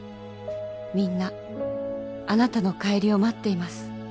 「みんなあなたの帰りを待っています」